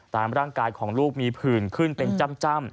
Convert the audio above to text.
ตามร่างกายของลูกมีผื่นขึ้นเป็นจ้ำ